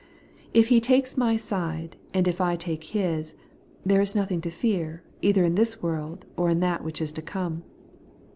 If He takes my side, and if I take His, there is nothing to fear, either in this world or in that which' is to come.